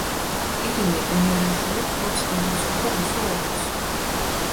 ირინე იმერლიშვილი ფლობს ინგლისურ და რუსულ ენებს.